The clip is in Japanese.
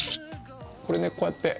これでこうやって。